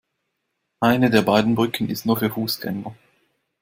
Eine der beiden Brücken ist nur für Fußgänger.